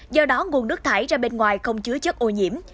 do đó nguồn nước thải ra bên ngoài không chứa chất ô nhiễm